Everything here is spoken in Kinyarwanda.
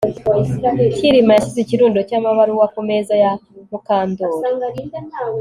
Kirima yashyize ikirundo cyamabaruwa ku meza ya Mukandoli